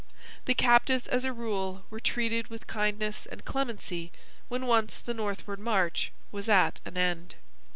The captives as a rule were treated with kindness and clemency when once the northward march was at an end.